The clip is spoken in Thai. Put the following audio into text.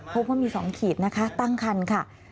พบว่ามี๒ขีดนะคะตั้งคันค่ะ